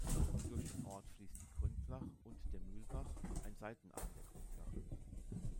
Durch den Ort fließt die Gründlach und der Mühlbach, ein Seitenarm der Gründlach.